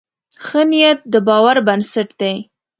ښه نیت د باور بنسټ دی.